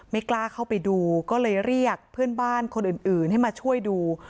กล้าเข้าไปดูก็เลยเรียกเพื่อนบ้านคนอื่นให้มาช่วยดู